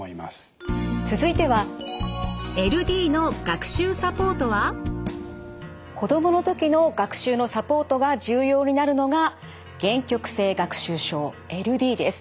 続いては子どもの時の学習のサポートが重要になるのが限局性学習症ＬＤです。